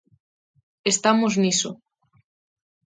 Estamos niso.